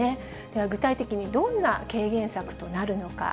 では、具体的にどんな軽減策となるのか。